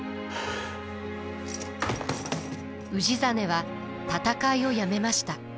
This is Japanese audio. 氏真は戦いをやめました。